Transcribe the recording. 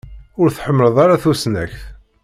Ur tḥemmleḍ ara tusnakt.